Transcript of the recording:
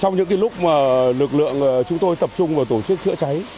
trong những cái lúc mà lực lượng chúng tôi tập trung vào tổ chức chữa cháy